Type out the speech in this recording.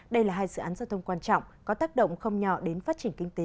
đây là hai dự án giao thông quan trọng có tác động không nhỏ đến phát triển kinh tế